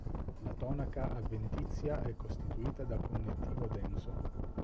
La tonaca avventizia è costituita da connettivo denso.